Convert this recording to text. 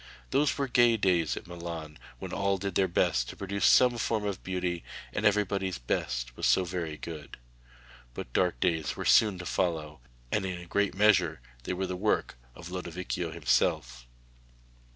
Those were gay days at Milan, when all did their best to produce some form of beauty and everybody's 'best' was so very good. But dark days were soon to follow, and in a great measure they were the work of Lodovico himself.